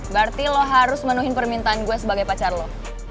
berarti lo harus menuhi permintaan gue sebagai pacar lo